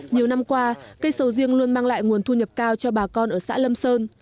nhiều năm qua cây sầu riêng luôn mang lại nguồn thu nhập cao cho bà con ở xã lâm sơn